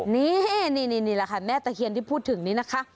นี่นี่นี่นี่นี่แหละค่ะแม่ตะเคียนที่พูดถึงนี่นะคะ